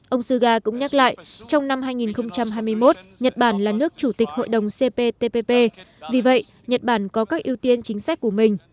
ông suga cũng nhắc lại trong năm hai nghìn hai mươi một nhật bản là nước chủ tịch hội đồng cptpp vì vậy nhật bản có các ưu tiên chính sách của mình